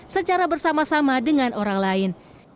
secara bersama sama dengan orang lain